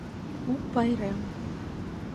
У пайрем